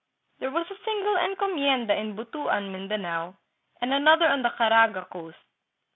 There was a single encomienda in Butuan, Mindanao, and another on the Caraga coast.